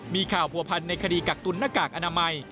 มีข่าวผัวพันธ์ในคดีกักตุนหน้ากากอนามัย